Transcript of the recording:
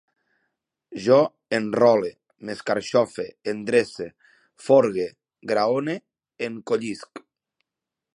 Jo enrole, m'escarxofe, endrece, forge, graone, encollisc